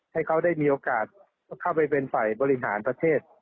ให้เขาได้มีโอกาสเข้าไปเป็นฝ่ายบริหารประเทศ